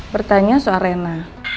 bertanya soal rena